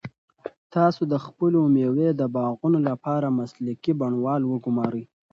تاسو د خپلو مېوو د باغونو لپاره مسلکي بڼوال وګمارئ.